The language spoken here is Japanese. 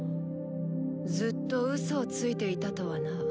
ずっとうそをついていたとはな。